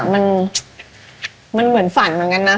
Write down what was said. มันเหมือนฝันมากันนะ